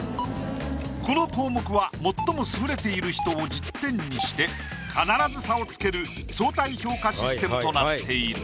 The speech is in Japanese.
この項目は最も優れている人を１０点にして必ず差をつける相対評価システムとなっている。